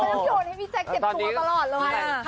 ทำไมต้องโยนให้พี่แจ๊กเจ็บตัวตลอดละวะนะ